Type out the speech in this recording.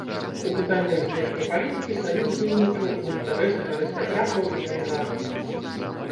У пытаннях знешняй палітыкі саюз дзейнічаў у інтарэсах арыстакратаў і алігархаў.